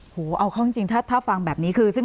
ถ้าฟังแบบนี้